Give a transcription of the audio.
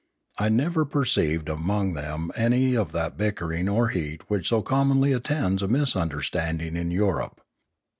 I never perceived among them any of that bickering or heat which so commonly attends a misunderstanding in Europe.